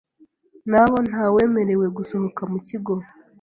nabo ntawemerewe gusohoka mu kigo